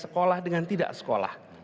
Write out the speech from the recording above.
sekolah dengan tidak sekolah